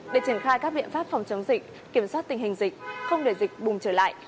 để triển khai các biện pháp phòng chống dịch kiểm soát tình hình dịch không để dịch bùng trở lại